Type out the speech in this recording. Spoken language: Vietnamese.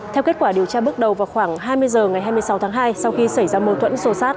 theo kết quả điều tra bước đầu vào khoảng hai mươi h ngày hai mươi sáu tháng hai sau khi xảy ra mâu thuẫn sô sát